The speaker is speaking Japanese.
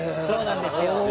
そうなんですよ。